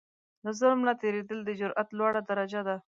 له ظلم نه تېرېدل، د جرئت لوړه درجه ده.